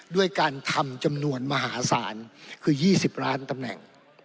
ด้วยการทำจำนวนมหาศาลคือ๒๐ล้านตำแหน่ง